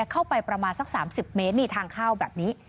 เข้าไปประมาณสัก๓๐เมตรนี่ทางเข้าแบบนี้